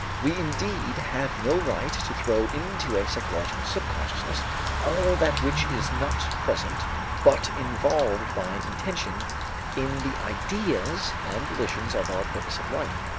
We indeed have no right to throw into a psychological subconsciousness all that which is not present but involved by intention in the ideas and volitions of our purposive life.